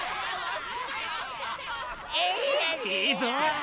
いいぞ！